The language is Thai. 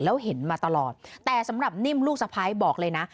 แล้วเห็นมาตลอดแต่สำหรับนิ่มลูกสะพ้ายบอกเลยนะ